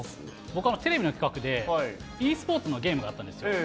僕、テレビの企画で、ｅスポーツのゲームがあったんですよ。